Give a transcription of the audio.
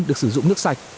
được sử dụng nước sạch